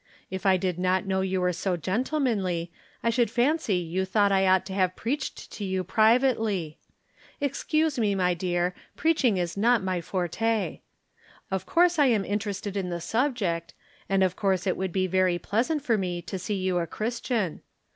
If I did not know you were too gentlemanly I should fancy you thought I ought to have preached to you privately. Ex cuse me, my dear, preaching is not vay forte. Of course I am interested in the subject, and of coui'se it would be very pleasant for me to see you a Christian.